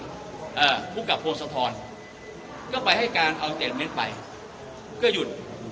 อ่าภูมิกับพงศธรก็ไปให้การเอาเจ็ดเม็ดไปก็หยุด